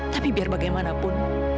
tapi biar bagaimanapun